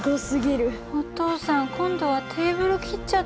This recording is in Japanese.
お父さん今度はテーブルを切っちゃったの？